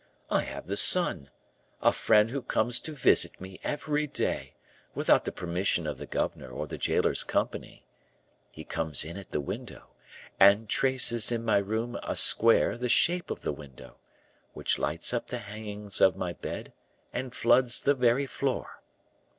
I have the sun, a friend who comes to visit me every day without the permission of the governor or the jailer's company. He comes in at the window, and traces in my room a square the shape of the window, which lights up the hangings of my bed and floods the very floor.